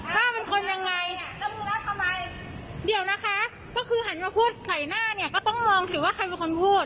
ป้าเป็นคนยังไงเดี๋ยวนะคะก็คือหันมาพูดใส่หน้าเนี่ยก็ต้องลองสิว่าใครเป็นคนพูด